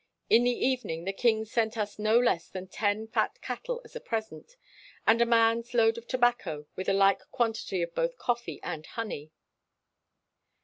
In the evening the king sent us no less than ten fat cattle as a present, and a man's load of tobacco with a like quantity of both coffee and honey.